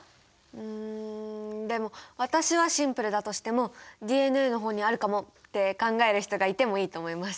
うんでも私はシンプルだとしてもＤＮＡの方にあるかもって考える人がいてもいいと思います。